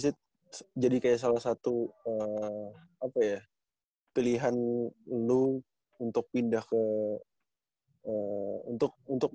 apakah itu salah satu pilihan lo untuk pindah ke